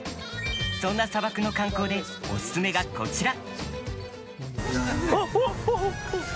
そんな砂漠の観光でおすすめがこちら！